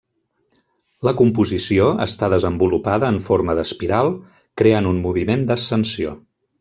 La composició està desenvolupada en forma d'espiral, creant un moviment d'ascensió.